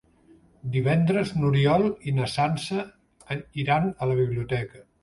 Divendres n'Oriol i na Sança iran a la biblioteca.